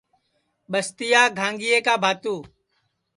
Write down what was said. ٻستِیا گھانگِئے کا بھانتو